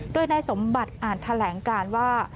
โดยนายสมบัติอ่านแถลงการว่า